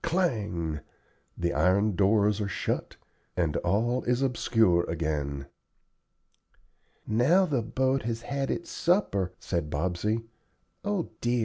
Clang! the iron doors are shut, and all is obscure again. "Now the boat has had its supper," said Bobsey. "O dear!